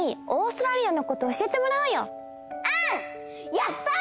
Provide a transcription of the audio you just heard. やった！